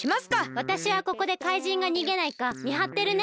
わたしはここでかいじんがにげないかみはってるね！